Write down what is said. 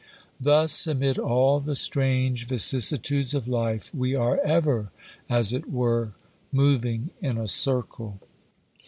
Thus, amid all the strange vicissitudes of life, we are ever, as it were, moving in a circle.